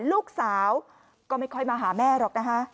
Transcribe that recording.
ลูกสาวก็ไม่ค่อยมาหาแม่หรอกนะคะ